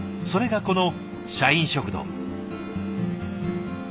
それがこの社員食堂。